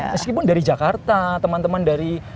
meskipun dari jakarta teman teman dari